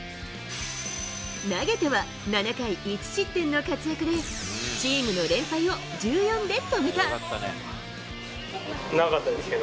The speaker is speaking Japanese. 投げては７回１失点の活躍でチームの連敗を１４で止めた。